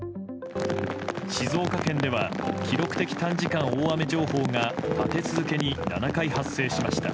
静岡県では記録的短時間大雨情報が立て続けに７回発生しました。